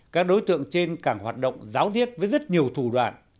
các đối tượng trên cảng hoạt động giáo thiết với rất nhiều thủ đoạn